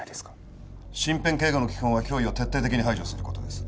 身辺警護の基本は脅威を徹底的に排除する事です。